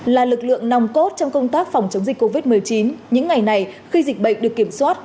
là lực lượng nòng cốt trong công tác phòng chống dịch covid một mươi chín những ngày này khi dịch bệnh được kiểm soát